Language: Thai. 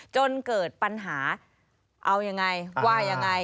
จนเกิดปัญหาเอายังไงว่ายังไง